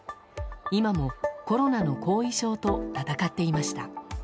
今も、コロナの後遺症と闘っていました。